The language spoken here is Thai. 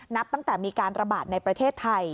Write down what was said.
นับตั้งแต่มีการระบาดในประเทศไทย